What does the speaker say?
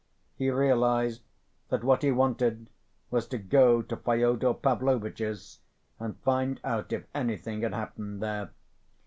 He realized that what he wanted was to go to Fyodor Pavlovitch's and find out if anything had happened there.